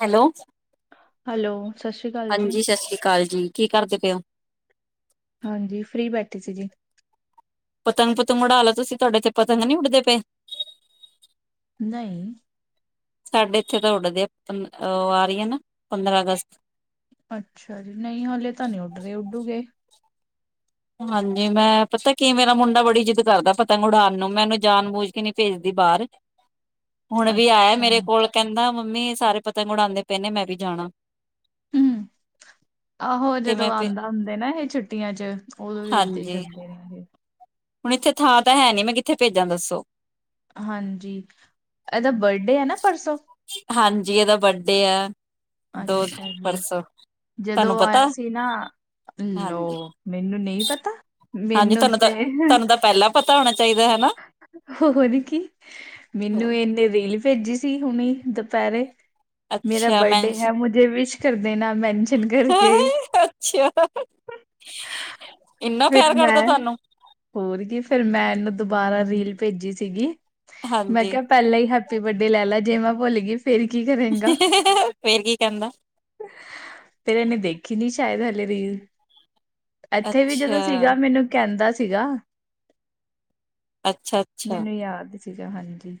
Hello hello ਸਤਿ ਸ਼੍ਰੀ ਅਕਾਲ ਜੀ। ਹਾਂਜੀ ਸਤਿ ਸ਼੍ਰੀ ਅਕਾਲ ਜੀ ਕੀ ਕਰਦੇ ਪਏ ਹੋ। ਹਾਂਜੀ ਫਰੀ ਬੈਠੇ ਸੀ ਜੀ ਪਤੰਗ- ਪਤੰਗ ਉਡਾ ਲਓ ਤੁਸੀਂ ਤੁਹਾਡੇ ਤੇ ਪਤੰਗ ਨਹੀਂ ਉੱਡਦੇ ਪਏ। ਨਹੀਂ ਸਾਡੇ ਇੱਥੇ ਤਾਂ ਉੱਡਦੇ ਆ ਉਹ ਆ ਰਹੀ ਹੈ ਨਾ ਪੰਦਰਾਂ ਅਗਸਤ। ਅੱਛਾ ਜੀ ਨਹੀਂ ਹਾਲੇ ਤਾਂ ਨਹੀਂ ਉੱਡਦੇ ਉੱਡੂਗੇ। ਹਾਂਜੀ ਮੈਂ ਪਤਾ ਕੀ ਮੇਰਾ ਮੁੰਡਾ ਬੜੀ ਜਿੱਦ ਕਰਦਾ ਪਤੰਗ ਉੜਾਨ ਨੂੰ ਮੈਂ ਉਨੂੰ ਜਾਨ ਬੂਝ ਕੇ ਨਹੀਂ ਭੇਜਦੀ ਬਾਹਰ। ਹੁਣ ਅ ਵੀ ਆਇਆ ਹਾਂ। ਮੇਰੇ ਕੋਲ ਕਹਿੰਦਾ ਮੰਮੀ ਸਾਰੇ ਪਤੰਗ ਉਡਾਂਦੇ ਪਏ ਨੇ ਮੈਂ ਵੀ ਜਾਣਾ। ਹੂੰ ਆਹੋ ਤੇ ਜਦੋਂ ਮੈਂ ਫੇਰ ਆਂਦਾ ਹੁੰਦਾ ਨਾ ਇਹ ਛੁੱਟੀਆਂ ਚ ਉਦੋਂ ਵੀ ਹਾਂਜੀ ਏਦਾਂ ਕਰ। [unintelligible] ਹੁਣ ਇੱਥੇ ਥਾਂ ਤਾਂ ਹੈਨੀ ਮੈਂ ਕਿੱਥੇ ਭੇਜਾਂ ਦੱਸੋ। ਹਾਂਜੀ ਇਹਦਾ ਬਰਡੇ ਐ ਨਾ ਪਰਸੋਂ ਹਾਂਜੀ ਇਹਦਾ ਬਰਡੇ ਆ ਦੋ ਅੱਛਾ ਜੀ ਪਰਸੋਂ ਤੁਹਾਨੂੰ ਜਦੋਂ ਪਤਾ ਆਇਆ ਸੀ ਨਾ ਲੋ ਹਾਂਜੀ ਮੈਨੂੰ ਨਹੀਂ ਪਤਾ ਹਾਂਜੀ ਮੈਨੂੰ ਤੁਹਾਨੂੰ ਤਾਂ ਤੇ ਤੁਹਾਨੂੰ ਤਾਂ ਪਹਿਲਾਂ ਪਤਾ ਹੋਣਾ ਚਾਹੀਦਾ ਹਨਾ ਹੋਰ ਕੀ ਮੈਨੂੰ ਇ ਰੀਲ ਭੇਜੀ ਸੀ ਹੁਣੀ ਦੁਪਹਿਰੇ ਮੇਰਾ ਅੱਛਾ ਬਰਡੇ ਮੈਨਸ਼ ਹੈ। ਜੇ ਵਿਸ਼ ਕਰ ਦੇਨਾ ਮੈਨਸ਼ਨ ਕਰਕੇ ਅੱਛਾ। ਇੰਨਾ ਫਿਰ ਪਿਆਰ ਕਰਦਾ ਮੈਂ ਤੁਹਾਨੂੰ ਹੋਰ ਕੀ ਫਿਰ ਮੈਂ ਇਹਨੂੰ ਦੁਬਾਰਾ ਰੀਲ ਭੇਜੀ ਸੀਗੀ। ਮੈਂ ਹਾਂਜੀ ਕਿਹਾ ਪਹਿਲਾਂ ਹੀ ਹੈਪੀ ਬਰਡੇ ਲੈ ਲਾ ਜੇ ਮੈਂ ਭੁੱਲ ਗਈ ਫਿਰ ਕੀ ਕਰੇ ਫਿਰ ਕੀ ਕਹਿੰਦਾ ਫਿਰ ਇਹਨੇ ਦੇਖੀ ਨੀ ਸ਼ਾਇਦ ਹਲੇੇ ਰੀਲ ਇੱਥੇ ਵੀ ਅੱਛਾ ਜਦੋਂ ਸੀਗਾ ਮੈਨੂੰ ਕਹਿੰਦਾ ਸੀਗਾ। ਅੱਛਾ ਅੱਛਾ ਮੈਨੂੰ ਯਾਦ ਸੀਗਾ ਹਾਂਜੀ।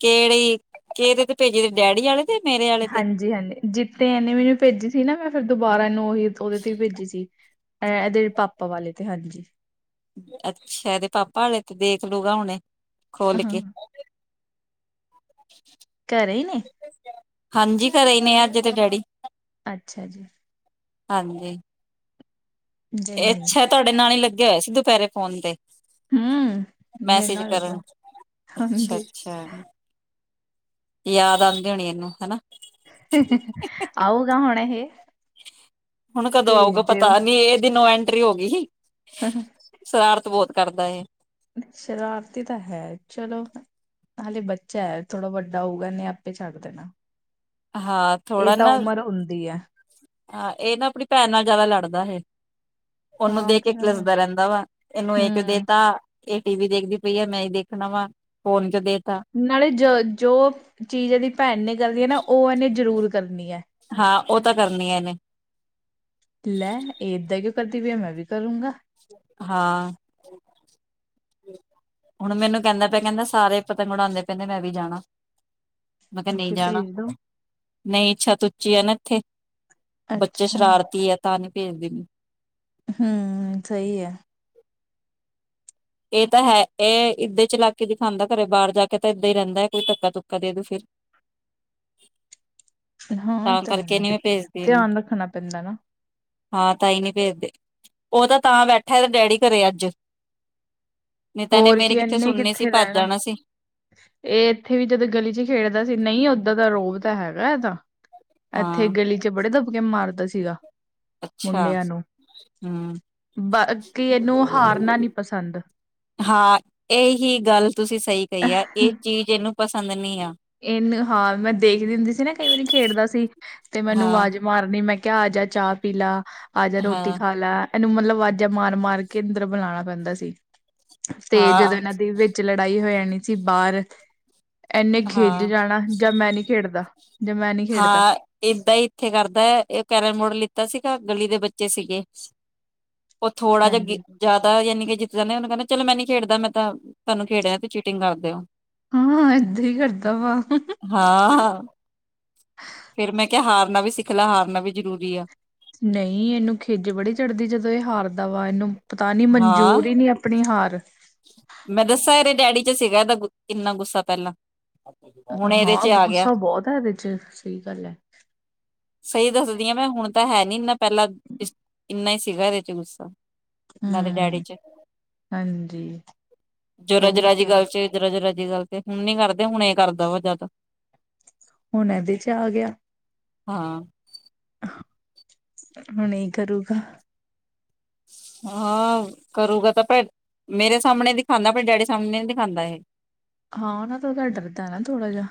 ਕੇੜੀ, ਕੇਦੇ ਤੇ ਭੇਜੇ ਇਦੇ ਡੈਡੀ ਆਲੇ ਤੇ ਮੇਰੇ ਆਲੇ ਤੇ ਹਾਂਜੀ-ਹਾਂਜੀ ਜਿੱਦ ਤੇ ਐਨੇ ਮੈਨੂੰ ਭੇਜੀ ਸੀ ਨਾ, ਮੈਂ ਫਿਰ ਦੁਬਾਰਾ ਐਨੂੰ ਉਹੀ ਓਦੇ ਤੇ ਹੀ ਭੇਜੀ ਸੀ। ਐ ਐਦੇ ਪਾਪਾ ਵਾਲੇ ਤੇ, ਹਾਂਜੀ। ਅੱਛਾ, ਐਦੇ ਪਾਪਾ ਆਲੇ ਤੇ, ਦੇਖਲੂਗਾ ਹੁਣੇ ਖੋਲ ਹਾਂ ਕੇ [inaudible] ਘਰੇ ਈ ਨੇ? ਹਾਂਜੀ, ਘਰੇ ਈ ਨੇ ਅੱਜ ਇਦੇ ਡੈਡੀ ਅੱਛਾ ਜੀ। ਹਾਂਜੀ। ਗਈ ਏ ਨੀ ਅੱਛਾ ਤੋਆਡੇ ਨਾਲ ਈ ਲੱਗੇਆ ਹੋਯਾ ਸੀ ਦੁਪੈਰੇ ਫੋਨ ਤੇ ਹੂੰ ਮੇਰੇ ਮੈਸੇਜ ਨਾਲ ਲੱਗਾ ਕਰਨ, ਹਾਂਜੀ। ਅੱਛਾ-ਅੱਛਾ। ਯਾਦ ਆਦੀਂ ਹੋਣੀ ਐਨੂੰ, ਹਨਾ। ਆਊਗਾ ਹੁਣੇ ਏ ਹੁਣ ਕਦੋ ਆਊਗਾ ਪਤਾ ਨੀ, ਏਦੀ ਨੋ ਐਂਟਰੀ ਹੋਗੀ ਹੀ। [inaudible] ਸਰਾਰਤ ਬੋਤ ਕਰਦਾ ਏ ਸ਼ਰਾਰਤੀ ਤਾ ਹੈ, ਚਲੋ ਹਲੇ ਬੱਚੈ ਥੋੜਾ ਵੱਡਾ ਹੋਊਗਾ, ਐਨੇ ਆਪੇ ਛੱਡ ਦੇਨੈ ਹਾਂ ਥੋੜਾ ਨਾ ਏ ਤਾ ਹੁੰਦੀ ਐ। ਆ, ਏ ਨਾ ਅਪਨੀ ਭੈਨ ਨਾਲ ਜਾਦਾ ਲੜਦਾ ਏਹੇ। ਓਨੂੰ ਹਾਂ ਉਹ ਦੇ ਤੇ ਕੇ ਗੱਲ ਹੈ ਕਲੱਸਦਾ ਰੈਂਦਾ ਵਾ, ਏਨੂੰ ਏ ਕਿਓ ਦੇ ਹੂੰ। ਤਾ ਏ ਟੀ ਵੀ ਦੇਖਦੀ ਪਈ ਆ, ਮੈਂ ਈ ਦੇਖਨਾ ਵਾ ਫੋਨ ਕਯੋ ਦੇਤਾ। ਨਾਲੇ ਜ ਜੋ ਚੀਜ਼ ਏਦੀ ਭੈਨ ਨੇ ਕਰਨੀ ਏ ਨਾ, ਓ ਐਨੇ ਜ਼ਰੂਰ ਕਰਨੀ ਐ। ਹਾਂ, ਓ ਤਾ ਕਰਨੀ ਐ ਐਨੇ ਲੈ ਏ ਏੱਦਾ ਕਿਉਂ ਕਰਦੀ ਪਈਆ, ਮੈਂ ਵੀ ਕਰੂੰਗਾ। ਹਾਂ। ਹੁਣ ਮੈਨੂੰ ਕੈਂਦਾ ਪੇਆ ਕੈਂਦਾ ਸਾਰੇ ਪਤੰਗ ਉਡਾਂਦੇ ਪਏ ਮੈਂ ਵੀ ਜਾਣਾ। ਮੈਂ ਕੇਆ ਨਈ ਫਿਰ ਜਾਨਾ, ਭੇਜ ਦੋ। ਨਈ ਛੱਤ ਉੱਚੀ ਐ ਨਾ ਇੱਥੇ ਬੱਚੇ ਅੱਛਾ ਸ਼ਰਾਰਤੀ ਆ, ਤਾਂ ਨੀ ਪੇਜਦੀ ਪੀ। ਹੂੰ, ਸਈ ਐ। ਏ ਤਾ ਹੈ, ਏ ਇੱਦੇ ਚਲਾਕੀ ਦਿਖਾਂਦਾ ਘਰੇ, ਬਾਰ ਜਾ ਕੇ ਤਾਂ ਏੱਦਾ ਹੀ ਰੈਂਦੈ, ਕੋਈ ਧੱਕਾ-ਧੁਕਾ ਦੇ ਦੂ ਫਿਰ [inaudible] ਹਾਂ, ਏ ਤਾਂ ਕਰਕੇ ਹੈ। ਨੀ ਮੈਂ ਭੇਜਦੀ ਇਹਨੂੰ ਧੇਆਨ ਰੱਖਨਾ ਪੈਂਦਾ ਨਾ ਹਾਂ, ਤਾਂਈਂ ਨੀ ਪੇਜਦੇ, ਓ ਤਾ ਤਾਂ ਬੈਠਾ ਏਦਾ ਡੈਡੀ ਘਰੇ, ਅੱਜ। ਨਹੀਂ ਤਾਂ ਇਹਨੇ ਹੋਰ ਮੇਰੀ ਕੀ ਐਨੇ ਸੁਣਨੀ ਸੀ ਕਿੱਥੇ ਭੱਜ ਰੈਣਾ। ਜਾਣਾ ਸੀ ਏ ਏਥੇ ਵੀ ਜਦੋਂ ਗਲੀ ਚ ਖੇਡਦਾ ਸੀ, ਨਈ ਓਦਾਂ ਦਾ ਰੋਬ ਤੇ ਹੈਗੈ ਐਦਾ। ਐਥੇ ਹਾਂ ਗਲੀ ਚ ਬੜੇ ਦੱਬਕੇ ਮਾਰਦਾ ਸੀਗਾ। ਅੱਛਾ ਮੁੰਡੇਆਂ ਨੂੰ, ਹਮ ਬਾਕੀ ਇਨੂੰ ਹਾਰਨਾ ਨੀ ਪਸੰਦ। ਹਾਂ, ਏਹੀ ਗੱਲ ਤੁਸੀ ਸਈ ਕਈ ਐ, ਏ ਚੀਜ਼ ਏਨੂੰ ਪਸੰਦ ਨੀ ਆ। ਏੱਨ ਹਾਂ ਮੈਂ ਦੇਖਦੀ ਹੁੰਦੀ ਸੀ ਨਾ ਕਈਂ ਵਾਰੀ ਖੇਡਦਾ ਸੀ, ਤੇ ਮੈਨੂੰ ਹਾਂ ਵਾਜ ਮਾਰਨੀ ਮੈਂ ਕੇਆ ਆਜਾ ਚਾ ਪੀ ਲਾ, ਆਜਾ ਰੋਟੀ ਹਾਂ ਖਾ ਲੈ। ਐਨੂੰ ਮਲਬ ਵਾਜ਼ਾਂ ਮਾਰ-ਮਾਰ ਕੇ ਅੰਦਰ ਬੁਲਾਣਾ ਪੈਂਦਾ ਸੀ, ਤੇ ਹਾਂ ਜਦੋਂ ਏਨਾਂ ਦ ਵਿੱਚ ਵਿੱਚ ਲੜਾਈ ਹੋ ਜਾਨੀ ਸੀ ਬਾਰ, ਐਨੇ ਖੇੱਜ ਹਾਂ ਜਾਣਾ ਜਾਂ ਮੈਂ ਨੀ ਖੇਡਦਾ, ਜਾਂ ਮੈਂ ਨੀ ਖੇਡਦਾ। ਏਦਾ ਇ ਇੱਥੇ ਕਰਦਾ ਹੈ ਇਹ ਕੈਰਮ ਬੋਰਡ ਲਿੱਤਾ ਸੀਗਾ ਗਲੀ ਦੇ ਬੱਚੇ ਸੀਗੇ ਉਹ ਥੋੜਾ ਜਿਹਾ ਗ ਹਾਂਜੀ ਜ਼ਿਆਦਾ ਯਾਨੀ ਕਿ ਜਿੱਤ ਜਾਂਦੇ ਉਹਨੂੰ ਕਹਿੰਦਾ ਚਲੋ ਮੈਂ ਨੀ ਖੇਡਦਾ ਮੈਂ ਤਾਂ ਤੁਹਾਨੂੰ ਖੇਡਿਆ ਤੇ ਚੀਟਿੰਗ ਕਰਦੇ ਹੋ ਹਮ ਏਦਾਂ ਹੀ ਕਰਦਾ ਵਾ ਹਾਂ ਹਾਂ ਫੇਰ ਮੈਂ ਕਿਹਾ ਹਾਰਨਾ ਵੀ ਸਿੱਖ ਲੈ ਹਾਰਨਾ ਵੀ ਜ਼ਰੂਰੀ ਆ ਨਹੀਂ ਇਹਨੂੰ ਖਿੱਜ ਬੜੀ ਚੜ੍ਹਦੀ ਜਦੋਂ ਇਹ ਹਾਰਦਾ ਵਾ ਇਹਨੂੰ ਪਤਾ ਨਹੀ ਹਾਂ ਮਨਜੂਰ ਹੀ ਨਹੀ ਆਪਣੀ ਹਾਰ ਮੈਂ ਦੱਸਾ ਇਹਰੇ ਡੈਡੀ ਚ ਸੀਗਾ ਇਹਦਾ ਕਿੰਨਾ ਗੁੱਸਾ ਪਹਿਲਾਂ ਹੁਣ ਇਹਦੇ ਚ ਹਾਂ ਆ ਗਿਆ ਗੁੱਸਾ ਬਹੁਤ ਆ ਇਹਦੇ ਚ ਸਹੀ ਗੱਲ ਆ ਸਹੀ ਦੱਸਦੀ ਹਾਂ ਮੈਂ ਹੁਣ ਤਾਂ ਹੈ ਨੀ ਇਨਾ ਪਹਿਲਾਂ ਇੰਨਾ ਹੀ ਸੀਗਾ ਇਹਦੇ ਚ ਗੁੱਸਾ ਇਨ੍ਹਾਂ ਦੇ ਡੈਡੀ ਹਮ ਚ ਹਾਂਜੀ ਜਰਾ ਜਰਾ ਜੀ ਹੋਊਗਾ ਗੱਲ ਚ ਜਰਾ ਜ਼ਰਾ ਜੀ ਗੱਲ ਤੇ ਹੁਣ ਨੀ ਕਰਦੇ ਹੁਣ ਇਹ ਕਰਦਾ ਵਾ ਜ਼ਿਆਦਾ ਹੁਣ ਇਹਦੇ ਚ ਆ ਗਿਆ। ਹਾਂ ਹੁਣ ਇਹ ਕਰੂਗਾ। ਹਾਂ ਕਰੂਗਾ ਤਾਂ ਪਹਿ ਮੇਰੇ ਸਾਹਮਣੇ ਦਿਖਾਉਂਦਾ ਆਪਣੇ ਡੈਡੀ ਸਾਹਮਣੇ ਨੀ ਦਿਖਾਉਂਦਾ ਇਹ ਹਾਂ ਉਹਨਾਂ ਤੋਂ ਤਾਂ ਡਰਦਾ ਨਾ ਥੋੜਾ ਜਾਂ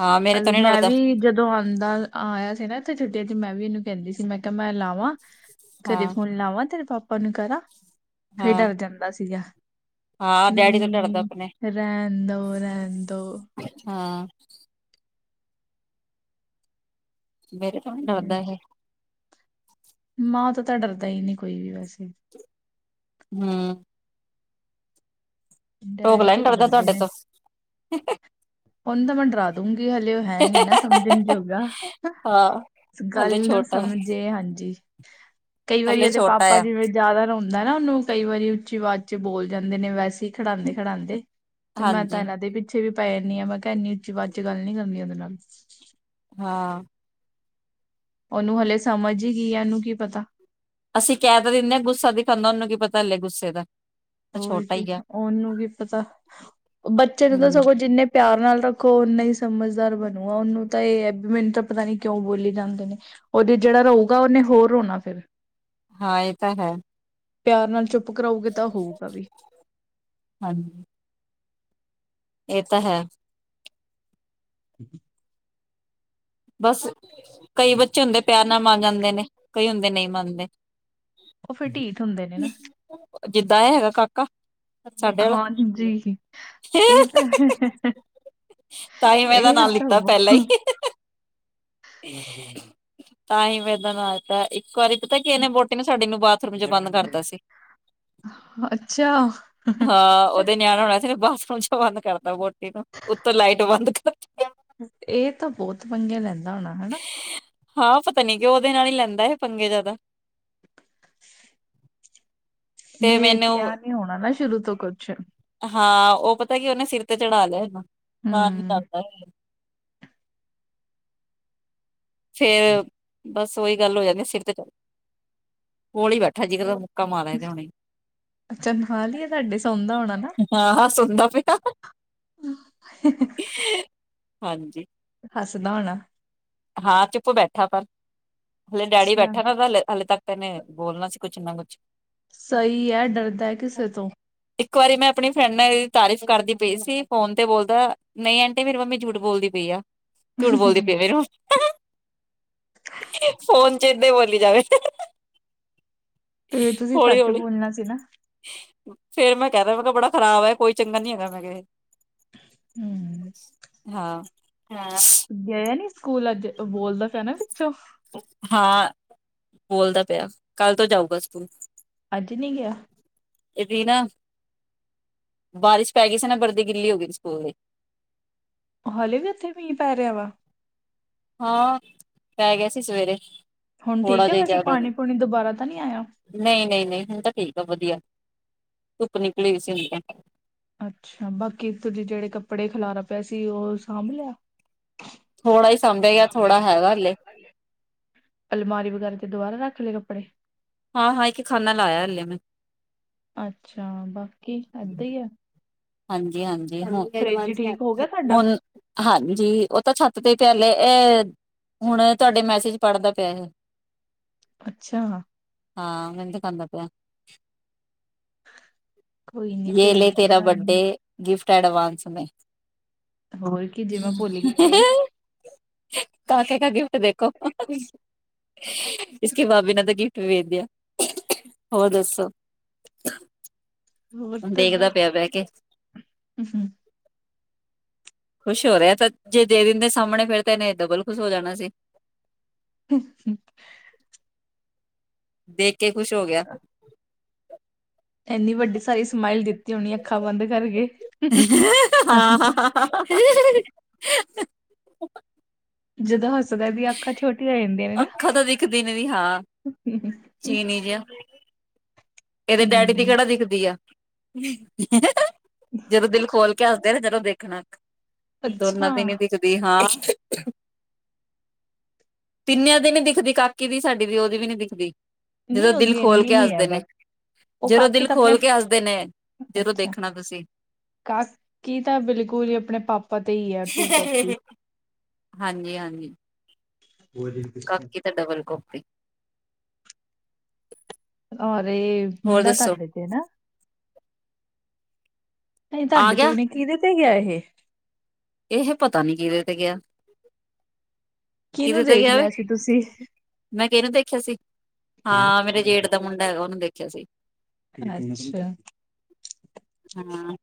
ਹਾਂ ਮੇਰੇ ਤੋਂ ਨੀ ਮੈਂ ਡਰਦਾ ਵੀ ਜਦ ਜਦੋ ਆਂਦਾ ਆਇਆ ਸੀ ਨਾ ਇੱਥੇ ਛੁੱਟੀਆਂ ਚ ਮੈਂ ਵੀ ਇਹਨੂੰ ਕਹਿੰਦੀ ਸੀ ਮੈਂ ਕਿਹਾ ਮੈਂ ਲਾਵਾਂ ਘਰੇ ਹਾਂ ਫੋਨ ਲਾਵਾਂ ਤੇਰੇ ਪਾਪਾ ਨੂੰ ਕਰਾਂ ਫਿਰ ਹਾਂ ਡਰ ਜਾਂਦਾ ਸੀਗਾ। ਹਾਂ ਡੈਡੀ ਨਹੀਂ ਤੋਂ ਡਰਦਾ ਆਪਣੇ ਨਹੀਂ ਰਹਿਣ ਦੋ ਰਹਿਣ ਦੋ ਹਅੱਛਾ ਮੇਰੇ ਤੋ ਨਹੀਂ ਹਮ, ਡਰਦਾ ਇਹ ਮਾਂ ਤੋਂ ਤਾਂ ਡਰਦਾ ਹੀ ਨਹੀਂ ਕੋਈ ਵੀ ਵੈਸੇ ਹੁ ਡੈਡੀ ਢੋਕਲਾ ਨੀ ਤੇ ਡਰਦਾ ਡਰਦੇ ਤੁਹਾਡੇ ਨੇ ਤੋਂ ਉਹਨੂੰ ਤਾਂ ਮੈਂ ਡਰਾ ਦੂਗੀ ਹਲੇ ਉਹ ਹੈ ਨੀ ਨਾ ਸਮਝਣ ਜੋਗ ਹਾਂ ਗੱਲ ਹਲੇ ਨੂੰ ਛੋਟਾ ਸਮਝੇ ਹਾਂਜੀ ਕਈ ਵਾਰੀ ਹਲੇ ਉਹਦੇ ਛੋਟਾ ਪਾਪਾ ਆ ਜਿਵੇਂ ਜ਼ਿਆਦਾ ਰੋਂਦੇ ਹੁੰਦਾ ਦਾ ਨਾ ਉਹਨੂੰ ਕਈ ਵਾਰੀ ਉੱਚੀ ਆਵਾਜ਼ ਚ ਬੋਲ ਜਾਂਦੇ ਨੇ ਵੈਸੇ ਖੜਾਂਦੇ ਖੜਾਂਂਦੇ ਤੇ ਮੈਂ ਤਾਂ ਹਾਂਜੀ ਇਹਨਾਂ ਦੇ ਪਿੱਛੇ ਵੀ ਪੈ ਜਾਂਦੀ ਹਾਂ ਮੈਂ ਕਿਹਾ ਇੰਨੀ ਉੱਚੀ ਆਵਾਜ਼ ਵਿੱਚ ਗੱਲ ਨੀ ਕਰਨੀ ਉਹਦੇ ਨਾਲ ਹਾਂਅ ਉਹਨੂੰ ਹਲੇ ਸਮਝ ਹੀ ਕੀਆ ਇਨੂੰ ਕੀ ਪਤਾ। ਅਸੀਂ ਕਹਿ ਤਾਂ ਦਿਨੇਆ ਗੁੱਸਾ ਦਿਖਾਉਦਾ ਉਹਨੂੰ ਕੀ ਪਤਾ ਗੁੱਸੇ ਦਾ ਤਾਂ ਹੋਰ ਛੋਟਾ ਕੀ ਹੀ ਆ ਉਹਨੂੰ ਕੀ ਪਤਾ ਬੱਚੇ ਨੂੰ ਤਾਂ ਹਮ ਸਗੋਂ ਜਿੰਨੇ ਪਿਆਰ ਨਾਲ ਰੱਖੋ ਉਨਾ ਹੀ ਸਮਝਦਾਰ ਬਣੂਗਾ ਉਹਨੂੰ ਤਾਂ ਇਹ ਹੈ ਵੀ ਮੈਨੂੰ ਤਾਂ ਪਤਾ ਨੀ ਕਿਉਂ ਬੋਲੀ ਜਾਂਦੇ ਨੇ ਉਹਦੇ ਜਿਹੜਾ ਰੋਊਗਾ ਉਹਨੇ ਹੋਰ ਰੋਣਾ ਫਿਰ ਹਾਂ ਇਹ ਤਾਂ ਹੈ ਪਿਆਰ ਨਾਲ ਚੁੱਪ ਕਰਾਊਗੇ ਤਾਂ ਹੋਊਗਾ ਵੀ ਹਾਂਜੀ ਇਹ ਤਾ ਹੈ [inaudible] ਬਸ ਕਈ ਬੱਚੇ ਹੁੰਦੇ ਪਿਆਰ ਨਾਲ ਮਨ ਜਾਂਦੇ ਨੇ ਕਈ ਹੁੰਦੇ ਨਹੀਂ ਮੰਨਦੇ ਉਹ ਫਿਰ ਢੀਡ ਹੁੰਦੇ ਨੇ ਨਾ ਜਿੱਦਾਂ ਐ ਹੈਗਾ ਕਾਕਾ ਸਾਡੇ ਆਲਾ ਹਾਂਜੀ। ਇਹ ਤਾਂ ਹੈ, ਤਾਂਈ ਮੈਂ ਐਦਾ ਇਹ ਨਾਂ ਤਾਂ ਲੀਤਾ ਪੈਲਾਂ ਈ ਬਹੁਤ ਤਾਂ ਈ ਮੈਂ ਐਦਾ ਨਾ ਲਿਤਾਂ ਇੱਕ ਵਾਰੀ ਪਤਾ ਕਿ ਇਨੇ ਵੋਟੀ ਨੂੰ ਸਾਡੀ ਨੂੰ ਬਾਥ ਰੂਮ ਚ ਬੰਦ ਕਰਤਾ ਸੀ, ਅੱਛਾ। ਹਾਂ ਓ ਦੇ ਨਿਆਣਾ ਹੋਣਾ ਸੀ ਬਾਥਰੂਮ ਚ ਬੰਦ ਕਰਤਾ ਵੋਟੀ ਨੂੰ ਉੱਤੋਂ ਲਾਈਟ ਬੰਦ ਕਰ ਏ ਤਾਂ ਬੋਤ ਪੰਗੇ ਲੈਂਦਾ ਹੋਣਾ ਹੈਨਾ ਹਾਂ ਪਤਾ ਨੀ ਕਿਉਂ ਓਦੇ ਨਾਲ ਈ ਲੈਂਦਾ ਐ ਪੰਗੇ ਜਾਦਾ। [inaudible] ਤੇ ਨੇ ਮੈਨੂੰ ਕੇਆ ਨੀ ਹੋਣਾ ਨਾ ਸ਼ੁਰੂ ਤੋਂ ਕੁੱਛ ਹਾਂ ਓ ਪਤਾ ਕੀ ਓਨੇ ਸਿਰ ਤੇ ਚੜ੍ਹਾ ਲਯਾ ਏਨੂੰ ਤੰਗ ਹੂੰ, ਕਰਦਾ ਫੇਰ ਬਸ ਓਈ ਗੱਲ ਹੋ ਜਾਂਦੀ ਸਿਰ ਤੇ ਚੜ੍ਹ, ਕੋਲ ਈ ਬੈਠਾ ਜੀਗਰ ਓਹ ਅੱਛਾ ਨਾਲ ਈ ਆ ਤਾਡੇ ਸੋਣਦਾ ਹੋਣਾ ਨਾ ਹਾਂ-ਹਾਂ ਸੁੁਣਦਾ ਪਯਾ। ਹੂੰ ਹਾਂਜੀ। ਹੱਸਦਾ ਹੋਨਾ। ਹਾਂ ਚੁਪ ਬੈਠਾ ਪਰ ਹੱਲੇੇ ਡੈਡੀ ਅੱਛਾ ਬੈਠਾ ਨਾ ਹਲੇ ਤੱਕ ਤੇ ਐਨੇ ਬੋਲਨਾ ਸੀ ਕੁੱਛ ਨਾ ਕੁੱਛ ਸਈ ਐ ਡਰਦਾ ਐ ਕਿਸੇ ਤੋਂ ਇੱਕ ਵਾਰੀ ਮੈਂ ਆਪਣੀ ਫਰੈਂਡ ਨਾ ਐਦੀ ਤਾਰੀਫ਼ ਕਰਦੀ ਪਈ ਸੀ ਫੋਨ ਤੇ ਬੋਲਦਾ ਆਂਟੀ ਮੇਰੀ ਮੰਮੀ ਝੂਠ ਬੋਲਦੀ ਪਈ ਆ। ਝੂਠ ਬੋਲਦੀ ਪੀ ਫੇਰ ਓ ਫੋਨ ਚ ਏਦਾ ਈ ਬੋਲੀ ਜਾਵੇ। ਹੌਲੀ-ਹੌਲੀ। ਇਨਾ ਸੀ ਨਾ ਫੇਰ ਮੈਂ ਕੈਤਾ ਮੈਂ ਕੇਆ ਬੜਾ ਖ਼ਰਾਬ ਐ ਕੋਈ ਚੰਗਾ ਨੀ ਹੈਗਾ ਮੈਂ ਕੇਆ ਏ- ਹੂੰ। ਹਾਂ, ਹਾਂ ਗਯਾ ਨੀ ਸਕੂਲ ਅੱਜ ਓ ਬੋਲਦਾ ਪਯਾ ਨਾ ਪਿੱਛੋਂ ਹਾਂ ਬੋਲਦਾ ਪਯਾ ਕੱਲ ਤੋਂ ਜਾਊਗਾ ਸਕੂਲ। ਅੱਜ ਨੀ ਗਿਆ? ਏਦੀ ਨਾ ਬਾਰਿਸ਼ ਪੈਗੀ ਸੀ ਨਾ ਬਰਦੀ ਗਿੱਲੀ ਹੋ ਗਈ ਸਕੂਲ ਦੀ। ਂ ਹੱਲੇ ਵੀ ਓਥੇ ਮੀਂ ਪੈ ਰੇਆ ਵਾ ਹਾਂ ਪੈ ਗਯਾ ਸੀ ਸਵੇਰੇ। ਹੁਣ ਥੋੜਾ ਠੀਕ ਐ ਵੈਸੇ ਪਾਨੀ-ਪੂਨੀ ਦੋਬਾਰਾ ਤਾਂ ਨੀ ਆਯਾ। ਨਈ-ਨਈ-ਨਈ ਹੁਣ ਤਾਂ ਠੀਕ ਆ ਵਧੀਆ ਧੁੱਪ ਨਿਕਲੀ ਹੋਈ ਸੀ ਹੁਣ ਤਾਂ। ਅੱਛਾ ਬਾਕੀ ਤੁਜਂ ਜੇੜੇ ਕੱਪੜੇ ਖਿਲਾਰਾ ਪਯਾ ਸੀ ਓ ਸਾਂਭ ਲੇ ਆ। ਥੋੜਾ ਈ ਸਾਂਭਿਆ ਗਿਆ ਥੋੜਾ ਹੈਗਾ ਹੱਲੇ। ਅਲਮਾਰੀ ਵਗੈਰਾ ਚ ਦੋਬਾਰਾ ਰੱਖ ਲੇ ਕੱਪੜੇ ਹਾਂ-ਹਾਂ ਇੱਕ ਖਾਨਾ ਲਾਇਆ ਹਲੇ ਮੈਂ। ਅੱਛਾ ਬਾਕੀ ਏਦਾਂ ਈ ਐ ਹਾਂਜੀ-ਹਾਂਜੀ ਹੋ ਗਏ ਐਡਵਾਨਸ, ਠੀਕ ਹੋ ਗਿਆ ਤੁਹਾਡਾ? ਹੋਰ ਹਾਂਜੀ ਓ ਤਾਂ ਛੱਤ ਤੇ ਪਿਆ ਹਲੇ ਏ ਹੁਣ ਤੁਆਡੇ ਮੈਸੇਜ ਪੜ੍ਹਦਾ ਪਯਾ। ਅੱਛਾ। ਹਾਂ ਮੈਨ ਦਿਖਾਂਦਾ ਪਯਾ। ਕੋਈ ਨੀ ਯੇ ਭੇਜ ਲੇ ਦਿਉ ਤੇਰਾ ਬਰਡੇ ਏਨੂੰ। ਗਿਫਟ ਐਂਡਵਾਂਸ ਮੇ। ਹੋਰ ਕੀ ਜੇ ਮੈਂ ਭੁੱਲ ਗਈ ਫੇਰ। ਕਾਕੇ ਕਾ ਗਿਫ਼ਟ ਦੇਖੋ। ਇਸਕੀ ਬਾਬੀ ਨੇ ਤੋ ਗਿਫ਼ਟ ਵੇਜ ਦਿਆ, ਹੋਰ ਦੱਸੋ। ਹੁਣ ਦੇਖ ਦਾ ਪਿਆ ਬੈ ਕੇ। ਊੰ ਹੂੰ। ਖੁਸ਼ ਹੋ ਰਿਆ ਤਾਂ ਜੇ ਦੇ ਦਿੰਦੇ ਸਾਮਣੇ ਫੇਰ ਤੇ ਏਨੇ ਡਬਲ ਖੁਸ਼ ਹੋ ਜਾਣਾ ਸੀ। ਹੁ ਹੂ ਦੇਖ ਕੇ ਖੁਸ਼ ਹੋ ਗਿਆ। ਏਨੀ ਵੱਡੀ ਸਾਰੀ ਸਮਾਈਲ ਦਿੱਤੀ ਹੋਣੀ ਅੱਖਾਂ ਬੰਦ ਕਰਕੇ। [unintelligible] ਜਦੋਂ ਹਸਦਾ ਏਦੀਆਂ ਅੱਖਾਂ ਛੋਟੀਆ ਹੋ ਜਾਂਦੀਆਂ ਨੇ ਨਾ। ਅੱਖਾਂ ਤਾਂ ਦਿਖਦੀ ਨੀ ਹਾਂ ਏਦੇ ਡੈਡੀ ਦੀ ਹਮ, ਕੇੜਾ ਦਿਖਦੀ ਆ। ਜਦੋਂ ਦਿਲ ਖੋਲ ਕੇ ਹੱਸਦੇ ਨਾ ਜਦੋਂ ਦੇਖਣਾ ਅੱਛਾ ਦੋਨਾਂ ਦੀ ਨੀ ਦਿਖ ਵੀ ਹਾਂ। ਤਿੰਨਿਆਂ ਦੀ ਨੀ ਦਿਖਦੀ ਕਾਕੀ ਦੀ ਸਾਡੀ ਦੀ ਓਦੀ ਵੀ ਨੀ ਦਿਖਦੀ, ਜਦੋਂ ਨਹੀਂ ਦਿਲ ਉਹਦੀ ਖੋਲ ਇੰਨੀ ਕੇ ਨੀ ਹੈ ਹੱਸਦੇ ਬਟ ਨੇ। ਉਹ ਜਦੋਂ ਕਾਕੀ ਦਿਲ ਤਾਂ ਆਪਣੇ ਖੋਲ ਕੇ ਹੱਸਦੇ ਨੇ ਜਦੋਂ ਅੱਛਾ ਦੇਖਣਾ ਤੁਸੀਂ। ਕਾਕੀ ਤਾਂ ਬਿਲਕੁਲ ਈ ਆਪਣੇ ਪਾਪਾ ਤੇ ਈ ਆ ਟੂ ਕਾਪੀ। ਹਾਂਜੀ ਹਾਂਜੀ ਹੋਰ ਜੀ। ਕਾਕੀ ਤਾਂ ਡਬਲ ਕੋਪੀ। ਔਰ ਏ ਹੋਰ ਮੁੰਡਾ ਦੱਸੋ ਤਾਡੇ ਤੇ ਨਾ। ਨਈ ਆ ਤਾਡੇ ਤੇ ਵੀ ਗਿਆ ਨੀ ਕੀਦੇ ਤੇ ਗਿਆ ਇਹ। ਇਹ ਪਤਾ ਨੀ ਕੀਦੇ ਤੇ ਗਿਆ। ਕੀਨੂੰ ਕਿਹਦੇ ਤੇ ਦੇਖ ਗਿਆ ਵੇ ਲਿਆ ਸੀ ਤੁਸੀਂ। ਮੈਂ ਕੈਨੂੰ ਦੇਖਿਆ ਸੀ, ਹਾਂ ਮੇਰੇ ਜੇਠ ਦਾ ਮੁੰਡਾ ਹੈਗਾ ਓਨੂੰ ਦੇਖਿਆ ਸੀ। ਅੱਛਾ। ਹਾਂ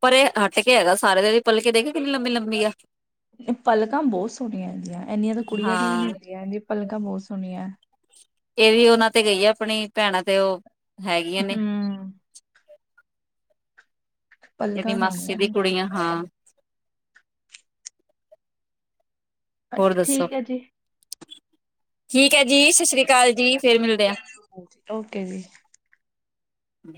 ਪਰ ਏ ਹਟ ਕੇ ਹੈਗਾ ਸਾਰੇ ਦੇ ਵੀ ਪਲਕੇ ਦੇ ਕੇ ਕਿੰਨੀ ਲੰਬੀ ਲੰਮੀ ਆ। ਪਲਕਾਂ ਬੋਤ ਸੋਣੀਆਂ ਏਦੀਆਂ ਏਨੀਆਂ ਤਾਂ ਕੁੜੀਆਂ ਦੀ ਵੀ ਹਾਂ ਨੀ ਹੁੰਦੀਆਂ, ਏੰਦੀਆਂ ਪਲਕਾਂ ਬੋਤ ਸੋਣੀਆਂ। ਏ ਵੀ ਓਨਾਂ ਤੇ ਗਈ ਆ ਆਪਣੀ ਭੈਣਾਂ ਤੇ ਓ ਹੈਗੀਆਂ ਨੇ। ਹੂੰ ਏਦੀ ਪਲਕਾਂ ਮਾਸੀ ਸੋਹਣੀਆਂ ਦੀ ਕੁੜੀਆਂ ਹਾਂ। ਅ ਹੋਰ ਦੱਸੋ ਠੀਕ ਐ ਜੀ। ਠੀਕ ਐ ਜੀ, ਸੱਸਰੀ ਕਾਲ ਜੀ, ਫੇਰ ਮਿਲਦੇ ਆਂ। ਓਕੇ ਜੀ। ਆ